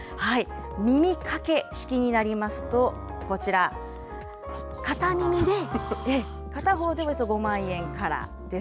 耳掛け式になりますと、こちら、片耳で、片方でおよそ５万円から。